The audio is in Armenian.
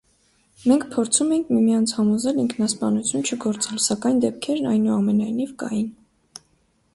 Մենք փորձում էինք միմյանց համոզել ինքնասպանություն չգործել, սակայն դեպքեր այնուամենայնիվ կային։